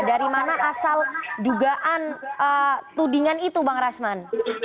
dari mana asal dugaan tudingan itu bang rasman